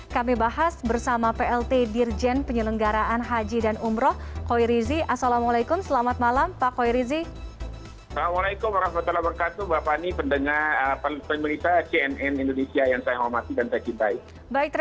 kami bahas bersama plt dirjen penyelenggaraan haji dan umroh khoirizi